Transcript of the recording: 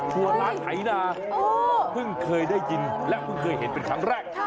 ส่วนร้านไถนาเพิ่งเคยได้ยินและเพิ่งเคยเห็นเป็นครั้งแรก